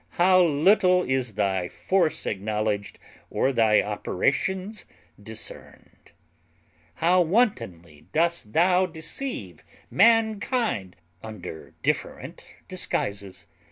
how little is thy force acknowledged, or thy operations discerned! How wantonly dost thou deceive mankind under different disguises!